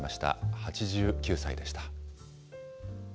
８９歳でした。